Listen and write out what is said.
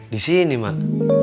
di sini mak